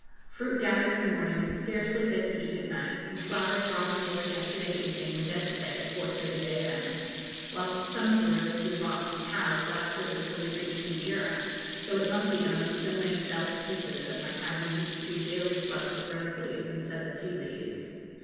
Fruit gathered in the morning is scarcely fit to eat at night, and the flowers brought on board yesterday evening were dead to day at 4.30 a.m.; whilst some of the roses we brought from Cowes lasted until we reached Madeira, though it must be owned so many fell to pieces that my cabin used to be daily swept with rose leaves instead of tea leaves.